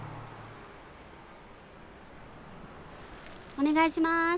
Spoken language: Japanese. お願いします。